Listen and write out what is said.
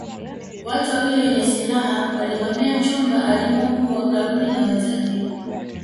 Watu wawili wenye silaha walivamia chumba alimokuwa Karume na wenzake